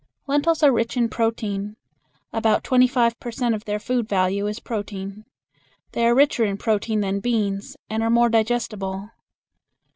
Lentils are rich in protein. About twenty five per cent of their food value is protein. They are richer in protein than beans, and are more digestible.